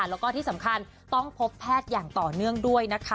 แล้วก็ที่สำคัญต้องพบแพทย์อย่างต่อเนื่องด้วยนะคะ